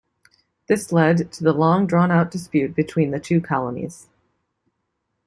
This led to the long-drawn-out dispute between the two colonies.